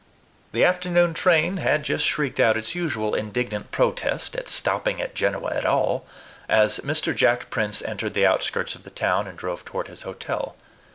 The afternoon train had just shrieked out its usual indignant protest at stopping at Genoa at all as Mr. Jack Prince entered the outskirts of the town, and drove toward his hotel.